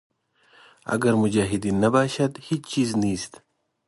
اګر مجاهدین نباشد هېچ چیز نیست.